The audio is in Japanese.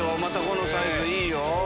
このサイズいいよ！